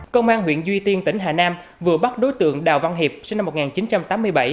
công an huyện duy tiên tỉnh hà nam vừa bắt đối tượng đào văn hiệp sinh năm một nghìn chín trăm tám mươi bảy